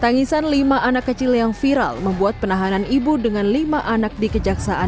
tangisan lima anak kecil yang viral membuat penahanan ibu dengan lima anak di kejaksaan